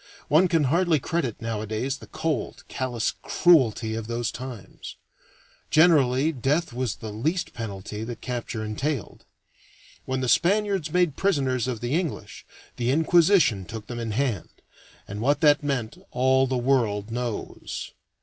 One can hardly credit nowadays the cold, callous cruelty of those times. Generally death was the least penalty that capture entailed. When the Spaniards made prisoners of the English, the Inquisition took them in hand, and what that meant all the world knows.